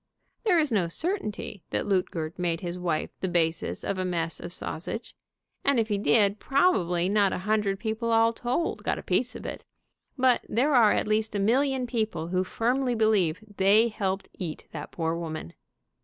There is no certainty that Luetgert made his wife the basis of a mess of sausage, and if he did probably not a hundred people all told got a piece of it, but there are at least a million people who firmly believe they helped eat that poor woman.